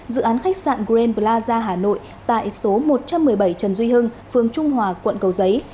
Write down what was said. dự án khách sạn green plaza hà nội tại số một trăm một mươi bảy trần duy hưng phường trung hòa quận cầu giấy